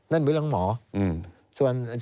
นั่นเป็นเรื่องของหมอ